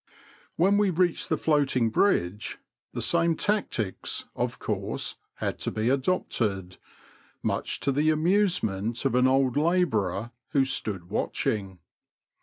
When we reached the floating bridge, the same tactics, of course, had to be adopted — ^mnch to the amusement of an old labourer who stood watching.